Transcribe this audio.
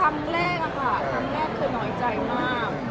คำแรกค่ะคำแรกคือน้อยใจมาก